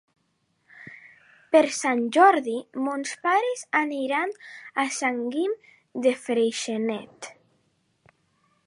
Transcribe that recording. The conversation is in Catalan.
Per Sant Jordi mons pares aniran a Sant Guim de Freixenet.